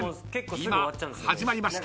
今始まりました。